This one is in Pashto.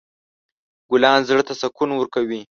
ګلان زړه ته سکون ورکوي.